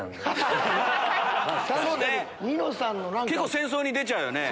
そうね結構戦争に出ちゃうよね。